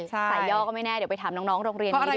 ใส่ยอกก็ไม่แน่เดี๋ยวไปถามน้องโรงเรียนดีกว่า